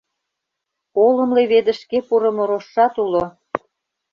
Олым леведышге пурымо рожшат уло.